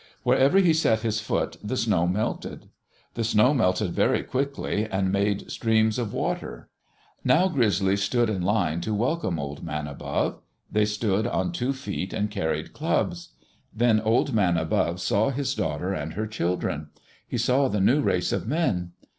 Wherever he set his foot the snow melted. The snow melted very quickly and made streams of water. Now Grizzlies stood in line to welcome Old Man Above. They stood on two feet and carried clubs. Then Old Man Above saw his daughter and her children. He saw the new race of men.